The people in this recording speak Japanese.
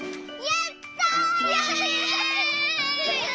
やった！